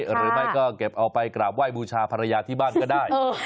หรือไม่ก็เก็บเอาไปกราบไห้บูชาภรรยาที่บ้านก็ได้